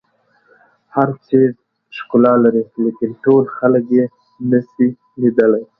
هر څیز ښکلا لري لیکن ټول خلک یې نه شي لیدلی.